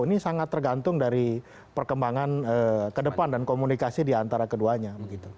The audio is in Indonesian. ini sangat tergantung dari perkembangan ke depan dan komunikasi diantara keduanya